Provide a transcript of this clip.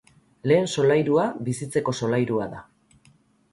Lehen solairua bizitzeko solairua da.